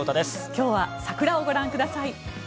今日は桜をご覧ください。